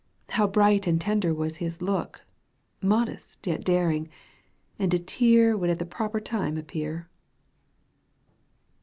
How bright and tender was his look, Modest yet daring ! And a tear Woidd at the proper time appear. X.